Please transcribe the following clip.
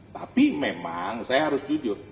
tapi memang saya harus jujur